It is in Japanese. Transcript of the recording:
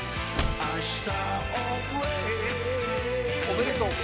おめでとう。